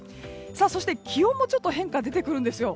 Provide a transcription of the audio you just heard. そして、気温もちょっと変化が出てくるんですよ。